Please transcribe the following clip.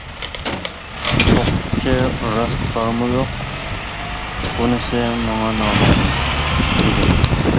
ئوقۇتقۇچى راست بارمۇ يوق، بۇنىسى ماڭا نامەلۇم ئىدى.